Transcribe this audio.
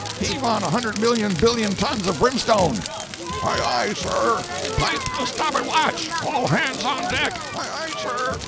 Heave on a hundred million billion tons of brimstone!" "Ay ay, sir!" "Pipe the stabboard watch! All hands on deck!" "Ay ay, sir!"